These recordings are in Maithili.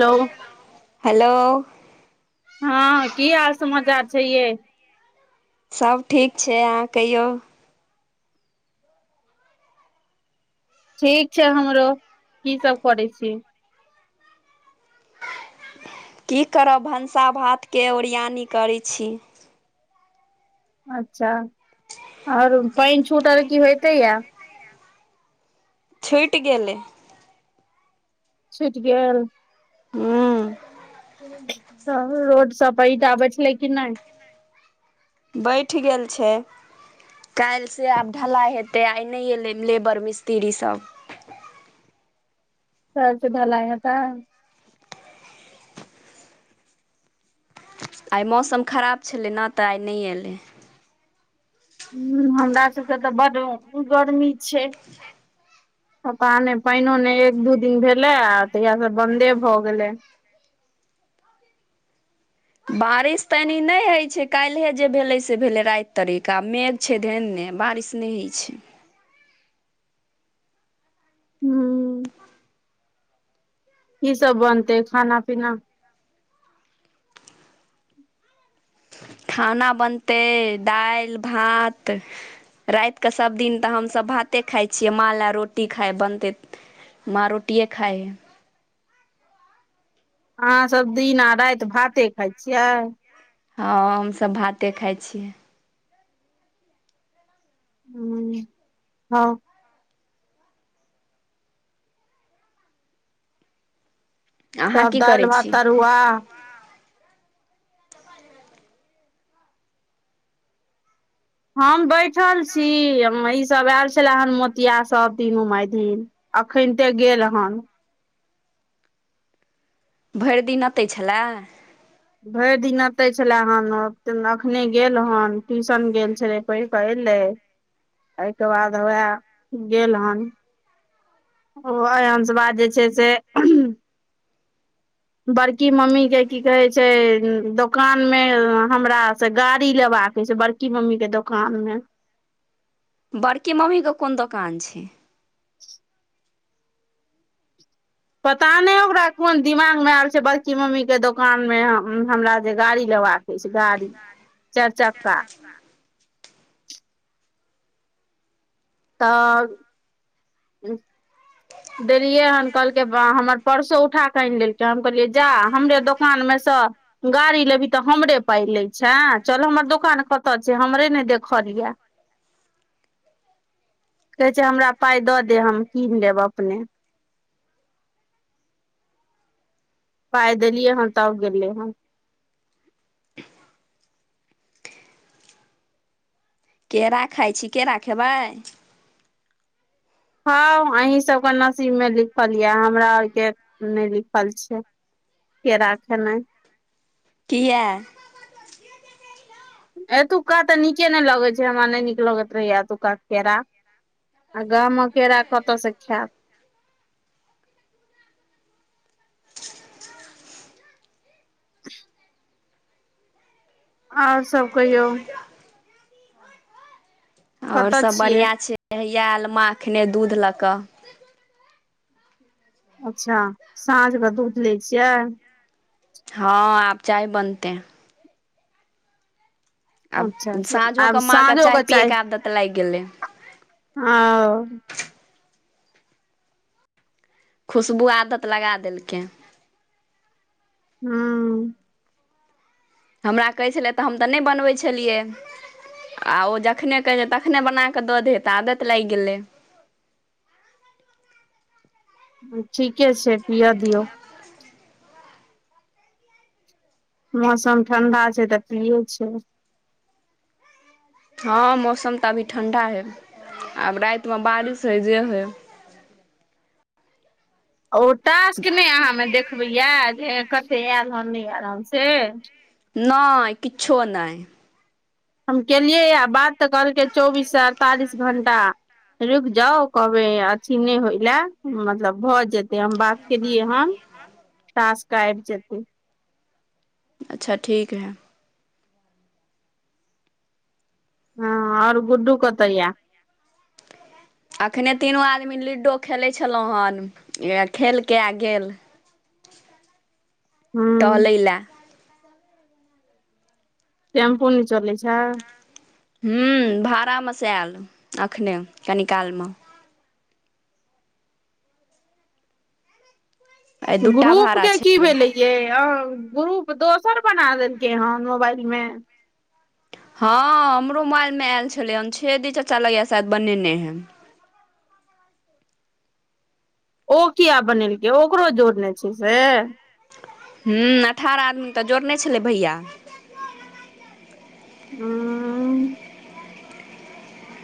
हेलो हलो हँ की हाल समाचार छैय यै सब ठीक छैय अहाँ कहियौ ठीक छैय हमरो की सब करै छी की करब भनसा भातकेँ ओरियानी करै छी अच्छऽ आओर पानि छूटल की होयते यऽ घुइट गेलै छुइट गेल हुँ तब रोड सब पड़ ईंटा बैठलै कि नय बैठ गेल छै काइल से आब ढलाय हेतै आइ नइ एलै लेबर मिस्त्री सब काइल सँ ढलाय हेतै आइ मौसम खराब छलै नऽ तऽ आइ नइ ऐलै हुँ हमरा सब केँ तऽ बड्ड गर्मी छै पता नै पाईनो नय एक दू दिन भेलै आ तहिया सँ बंन्दे भऽ गेलै बारिश तऽ एनि नइ होइ छै काइल्हे जे भेलै से भेलै राइत तरिक आ मेघ छै धेने बारिश नय होय छै हूँ की सब बनतै खाना पीना खाना बनतैय दाइल, भात राइत कऽ सब दिन तऽ हमसब तऽ भाते खाय छियै माँ लऽ रोटी खाय बनतै माँ रोटिये खाय हैय अहाँसभ दिन आ राइत भाते खाय छियै हँ हमसभ भाते खाय छियै हुँ हँ अहाँ तब की दाइल, करै भात, छी तरुआ हम बैठल छी ईसभ आयल छले हन मोतिया सब तीनू मायधिन अखैनते गेल हन भैर दिन अतै छलै भैर दिन ओतै छलै हन अखने गेल हन ट्यूशन गेल छलै पढि के ऐलै एहिके बाद वैह गेल हन उभय, अंशबा जे छै से बड़की मम्मी केँ की कहे छै दो कान मे हमरा से गाड़ी लेबाका छै बड़की मम्मी केँ दोकान मे बड़की मम्मी कऽ कोन दोकान छै पता नइ ओकरा कोन दिमाग मे आबै छै बड़की मम्मी केँ दोकान मे हम - हमरा जे गाड़ी लेबाक अछि गाड़ी चाइर चक्का हँ तऽ हुँ देलियै हन कहलकै बा हमर परसो उठा कऽ आइन लेलकै हम कहलियै जा हमरे दोकान मऽ सँ गाड़ी लेबही तऽ हमरे पाइ लै छेय चल हमर दोकान कतऽ छै हमरे नय देखल यऽ कहै छै हमरा पाइ दऽ देब हम कीन लेब अपने पाइ देलियै हँ तब गेलै हँ केड़ा खाइ छी केड़ा खेबै हँ आही सब कऽ नसीब मे लिखल यऽ हमरा आर केँ नय लिखल छै केरा खेनाय किया एतुका त निके ने लगे छै हमरा नहि नीक लगैत रहैय एतुका केरा। आ गांमक केरा कतऽ से खायब [inaudible] आओर सब कहियौ। आओर कतऽ सभ छियै बढ़िआँ छै। हेहिया आयल मां एखने दूध लऽ कऽ। अच्छा साँझमे दूध लै छियै। हँ आब चाय बनतै। आब अच्छा साँझोक आब माँके साँझो चाय कऽ पियएके आदत लागि गेलै। आऔ खुशबू आदत लगा देलकै। हुँ हमरा कहै छलै तऽ हम तऽ नहि बनबैत छलियै। आ ओ जखने कहै छै तखने बना कऽ दऽ देत तऽ आदत लागि गेलै। ठीके छै पिअ दियऔ। मौसम ठण्डा छै तऽ पिये छै हँ मौसम तऽ अभी ठण्डा हइ आब राति मे बारिश हइ जे हइ ओ तशक नहि अहाँ मे देखबैया जे कते आयल हन नहि आयल हन से नय किछो नय हम केलियै य बात तऽ कलके चौबीस से अड़तालीस घंटा रुकि जाउ कहबै अथी नहि होयले मतलब भऽ जेत त हम बात केलियै हन तासक के आबि जेतै। अच्छा ठीक है। हँ आओर गुड्डू कऽत ये। अखने तीनो आदमी लूडो खेलै छलहुँ हन खेलके आ गेल। [inaudible] हूँ टहले ल टेम्पो न चलै छै हाँ भाड़ामेसँ आयल एखने कनी कालमे आइ दूटा ग्रुप भाड़ा के की छलै भेलै य अ ग्रुप दोसर बना देलकै हन मोबाइल मे हँ हमरो मोबाइल मे आयल छले हेन छेदि चाचा लगैया शायद बनेने हे ओ किया बनेलकै ओकरो जोड़ने छै से ह्मँ अठारह आदमी तऽ जोरने छलै भैया हुँ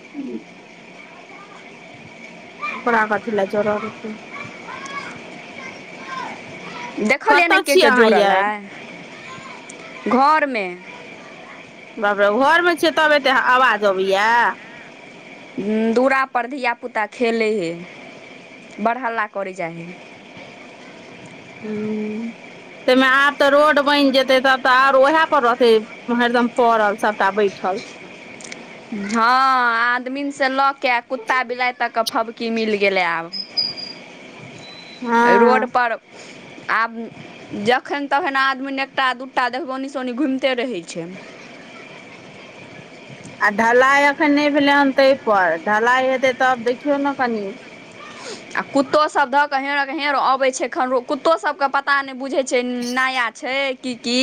[inaudible] ओकरा कथि ले जोड़लके देखलियै ने कतऽ के छियै के अहाँ जोड़ल यै अइ घरमे बाप रे घरमे छियै तब एते आवाज अबैया दुरा पर धियापुता खेलै हइ बर हल्ला करै जाइ हइ हँ ताहिमे आब तऽ रोड बनि जेतै तब तऽ आर ओएह पर रहतै हरदम पड़ल सभटा बैठल हँ आदमीसँ लऽ के कुत्ता बिलाइ तक क फबकी मिल गेलै आब [inaudible] रोड हँ पर आब जखन तखन आदमी एकटा दूटा देखबौनि सनि घुमिते रहै छै आ ढलाई अखन नय भेलै हन तैय पर ढलाई हेतै तब देखियौ नऽ कनि आ कुत्तो सब ध कऽ हेरक हेर अबै छै खन कुत्तो सब कऽ पता नय बुझे छै छै नया छै की - की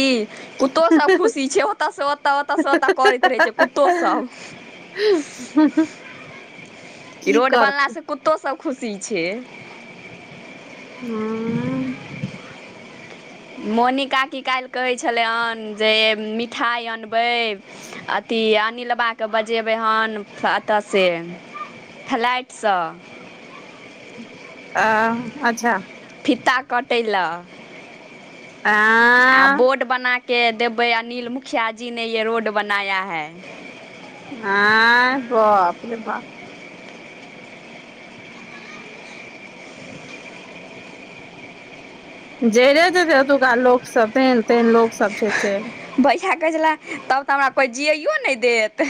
कत्तो सभ खुशी छै ओतऽ सँ ओतऽ ओतऽ सँ ओतऽ करै रहै छै कुत्तो सब [unintelligible] ई की रोड बनला करतै सँ कुत्तो सब खुशी छै है मोनि काकी काइल कहै छलै जे मिठाइ अनबै अथि अनिलबा कऽ बजेबै हन अतऽ से फ्लाइटसँ आ अच्छऽ फित्ता कटैय लऽ आ आ बोर्ड बना केँ देबै अनिल मुखिआ जी ने ये रोड बनाय है आय बाप रे बाप जैरे जेतै ओतुका लोक सब तेहन - तेहन लोक सब छै से भैया कहै छलै तब तऽ हमरा कोइ जियइयो नय देत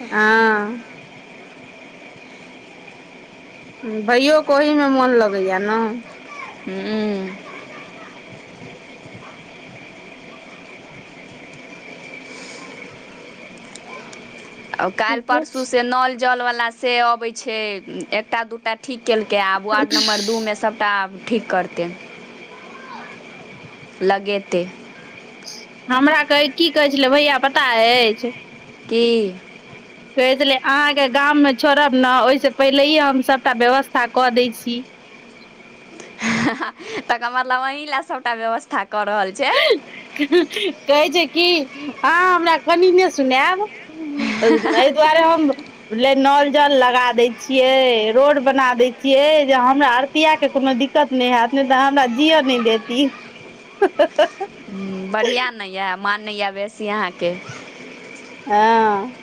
हँ भैयोे केँ ओहिमे मोन लगै यऽ नऽ हुँ ओ काइल ठीके परसू छै से नल जल वला से अबै छै एकटा दू टा ठीक केलकै अब वार्ड नम्बर दू मे सभटा आब ठीक करतै लगेतै हमरा कहै की कहै छलै भैया पता अछि की [inaudible] कहै छलै अहाँकेँ गाममे छोड़ब नऽ ओहि सँ पहिले हम सभटा व्यवस्था कऽ दै छी तऽ एकर मतलब आँही ला सभटा व्यवस्था कऽ रहल छै कहै छै की अहाँ हमरा कनि नय सुनायब एहि दुआरे हम बुझले नल जल लगा दै छियै रोड बना दै छियै जे हमरा आर तिया केँ कोनो दिक्कत नय हैत नय तऽ हमरा जियअ नइ देत ई [unintelligible] हुँ बढ़िया नऽ यऽ मानै यऽ बेसी अहाँकेँ हँ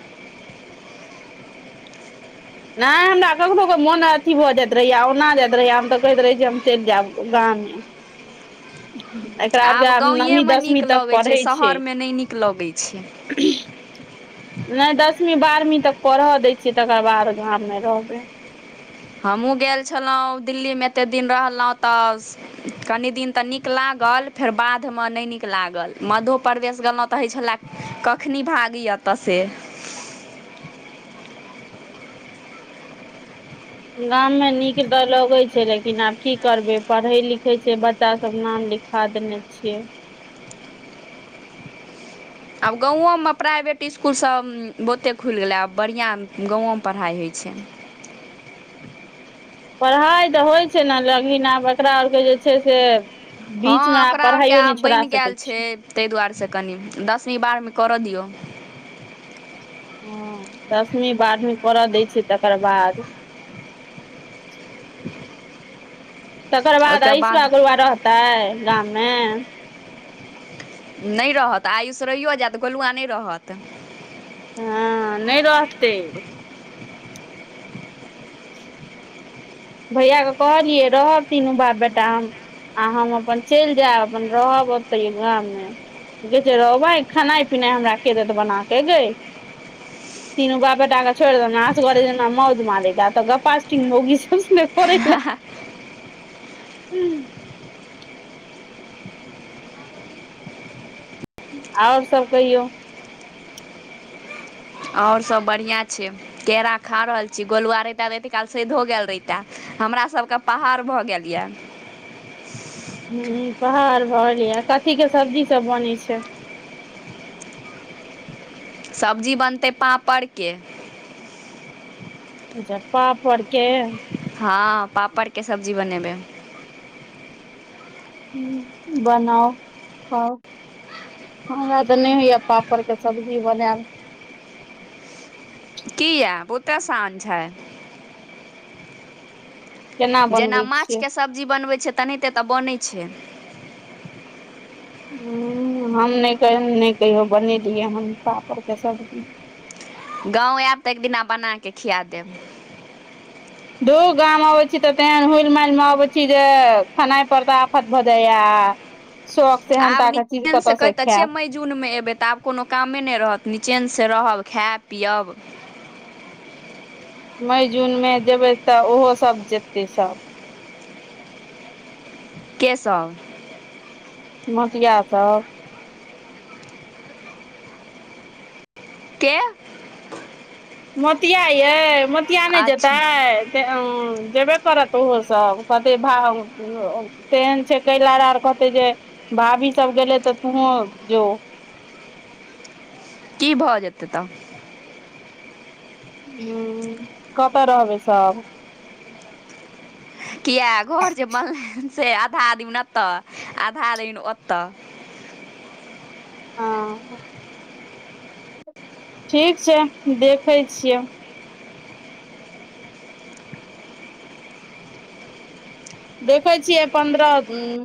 नय हमरा ककनो कऽ मोन अथी भऽ जाइत रहैय आ ओना जाइत रहैय हम तऽ कहैत रहै छियै हम चैल जाइब गामे एकरा आरके आब गाँवे नवमी मऽ दसमी नीक तक लगै छै पढ़ै शहरमे नय नीक लगै छै [unintelligible] नय दसमी बारहवी तक परहऽ दै छियै तकर बाद गाम मे रहबै हमहूँ गेल छलहुँ दिल्लीमे एते दिन रहलहुँ तऽ कनि दिन तऽ नीक लागल फेर बाध मऽ नय नीक लागल मध्यो प्रदेश गेलहुँ तऽ होइ छलै कखनी भागी एतऽ से गाम मे नीक तऽ लगे छै लेकिन आब की करबै पढ़े लिखै छै बच्चा सब नाम लि खा देने छिये आब गाँवो मऽ प्राइवेट इसकुल सब बहुते खुलि गेलै आब बढ़िया गाँवो मऽ पढ़ाइ होइ छै पढ़ाइ तऽ होइ छै ने लेकिन आब एकरा आरके जे छै से हँ बीचमे आब पढ़ाइयो नहि छोड़ा सकै छियै तैय दुआरेसँ कनि दसमी बारहमी करऽ दियौ हाँ दसमी बारहवीं पढ़ऽ दै छियै तकर बाद [unintelligible] तकर बाद अहिसबा बौआ रहतै गाममे नहि रहत आयुष रहियो जाएत गोलुआ नहि रहत हाँ नहि रहतै भैयाके कहलियै रहऽ तीनों बाप बेटा हम आ हम अपन चलि जायब अपन रहब ओतहि ओहाएमे गे एत्ते रहबिहीं खेनाइ पीनाइ हमराके देत बनाके गे तीनु बाप बेटाके छोड़ देलहि असगरे जेना मौज मारै लाए एतह गपास्टिंग मौगी किछने करै लाए आओर सब कहियौ आओर सभ बढ़ियाँ छै केरा खा रहल छी गोलुआ रहितां एत्ते काल सइधो गेल रहितां हमरासभके पहाड़ भऽ गेल या हूँ पहाड़ भऽ गेल या कथिके सब्जी सब बनै छै सब्जी बनतै पापड़के अच्छा पापड़के हाँ पापड़के सब्जी बनेबै हूँ बनाउ खाउ हमरा तऽ नहि होइया पापड़के सब्जी बनाएल किया बहुते असान छै केना जेना बनबै छियै माँछके सब्जी बनबै छै तेनाहिते तऽ बनै छै हूँ हम नहि नहि कहियौ बनेलियै हन पापड़के सब्जी गाँव आएब तऽ एक दिना बना कऽ खिया देब दू गाम अबै छी तऽ तेहन हूल- मालिमे अबै छी जे खेनाइ पर तऽ आफत भऽ जाइया शौख आब सेहेनतासँ चीज कतऽ निचेनसँ कहै से तऽ छियै खाएब मई जूनमे एबै तऽ आब कोनो कामे नहि रहत नीचेन से रहब खायब पियब मइ जूनमे जेबै तऽ ओहो सभ जेतै सब केसब मोतिया सब के मोतिया यै मोतिया नहि जेतै अच्छा तें -ऐं जेबै करत ओहो सब कहतै भाग अ- तेहन छै कैलार आर कहतै जे भाभी सब गेलै तऽ तुहों जो की भऽ जेतै तऽ हूँ कतऽ रहबै सब किया घर जे बनलै हेंन से आधा दिन एतऽ आधा दिन ओतऽ हाँ [inaudible] ठीक छै देखै छियै देखै छियै पन्द्रह उँ